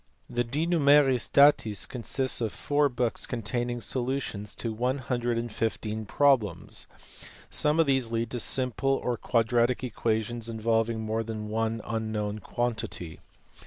The De Numeris Da .is consists of four books containing solutions of 115 problems. Some of these lead to simple or quadratic equations involving more than one unknown quan tity.